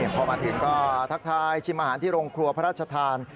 พอมาถึงก็ทักทายชิมอาหารที่โรงครัวพระราชทาน